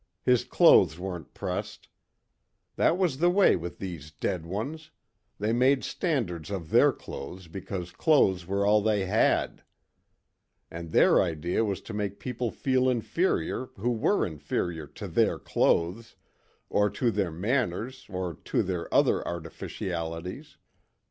His clothes weren't pressed. That was the way with these dead ones, they made standards of their clothes because clothes were all they had. And their idea was to make people feel inferior who were inferior to their clothes or to their manners or to their other artificialities.